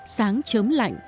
sáng chớm lạnh